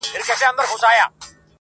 تر خېښ، نس راپېش.